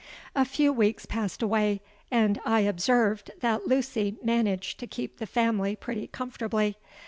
"A few weeks passed away, and I observed that Lucy managed to keep the family pretty comfortably.